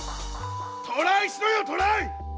トライしろよ、トライ！